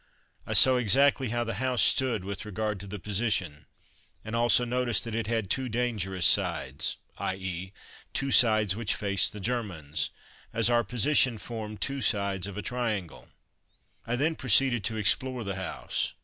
I saw exactly how the house stood with regard to the position, and also noticed that it had two dangerous sides, i.e., two sides which faced the Germans, as our position formed two sides of a triangle. [Illustration: clogs and bucket] I then proceeded to explore the house.